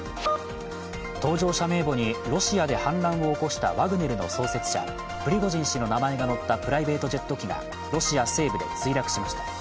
搭乗者名簿にロシアで反乱を起こしたワグネルの創設者、プリゴジン氏の名前が載ったプライベートジェット機がロシア西部で墜落しました。